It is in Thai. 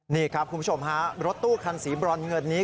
นี่ครับคุณผู้ชมฮะรถตู้คันสีบรอนเงินนี้